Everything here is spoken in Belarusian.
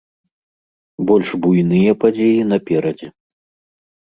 Больш буйныя падзеі наперадзе.